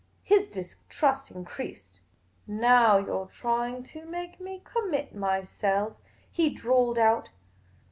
His distrust increased. " Now you 're trying to make me conmiit myself," he drawled out.